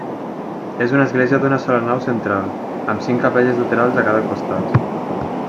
És una església d'una sola nau central amb cinc capelles laterals a cada costat.